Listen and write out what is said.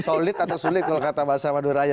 solid atau sulit kalau kata mbak sama dura aja